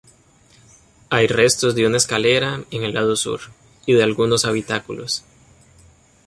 Hay restos de una escalera, en el lado sur, y de algunos habitáculos.